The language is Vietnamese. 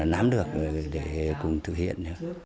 nắm được để cùng thực hiện